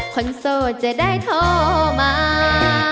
โสดจะได้โทรมา